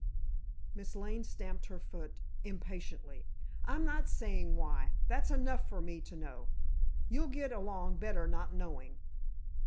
Miss Lane stamped her foot impatiently. "I'm not saying why. That's enough for me to know. You'll get along better not knowing."